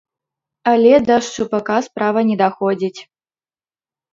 Але да шчупака справа не даходзіць.